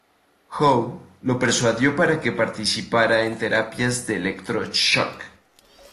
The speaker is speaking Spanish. Hoe lo persuadió para que participara en terapias de electro shock.